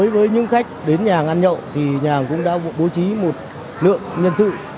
với những khách đến nhà hàng ăn nhậu thì nhà hàng cũng đã bố trí một lượng nhân sự